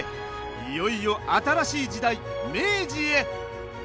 いよいよ新しい時代明治へ！